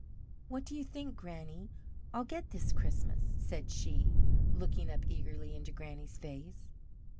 "What do you think, Granny, I'll get this Christmas?" said she, looking up eagerly into Granny's face.